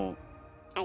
はい。